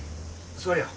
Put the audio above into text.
座れよ。